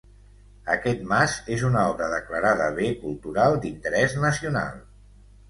Aquest mas és una obra declarada bé cultural d'interès nacional.